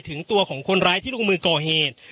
ถึงตัวของคนร้ายที่ลงมือก่อเหตุ